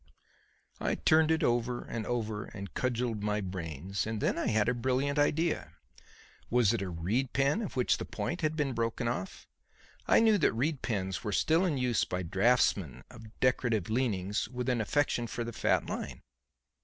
I turned it over and over and cudgelled my brains; and then I had a brilliant idea. Was it a reed pen of which the point had been broken off? I knew that reed pens were still in use by draughtsmen of decorative leanings with an affection for the "fat line."